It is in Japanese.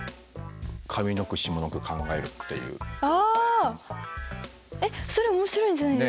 えっそれ面白いんじゃないですか？